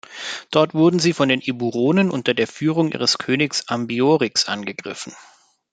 Dort wurden sie von den Eburonen unter Führung ihres Königs Ambiorix angegriffen.